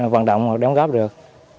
hoạt động hoặc đóng góp được